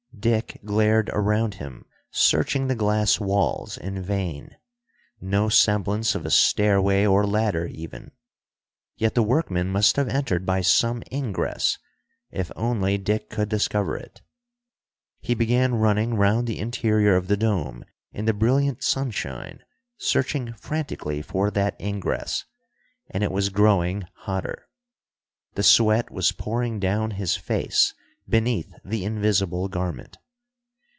_ Dick glared around him, searching the glass walls in vain. No semblance of a stairway or ladder, even. Yet the workman must have entered by some ingress if only Dick could discover it! He began running round the interior of the dome in the brilliant sunshine, searching frantically for that ingress. And it was growing hotter! The sweat was pouring down his face beneath the invisible garment.